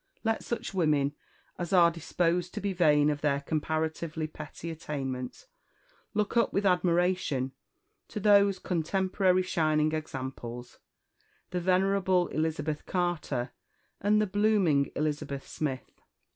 "Let such women as are disposed to be vain of their comparatively petty attainments look up with admiration to those contemporary shining examples, the venerable Elizabeth Carter and the blooming Elizabeth Smith.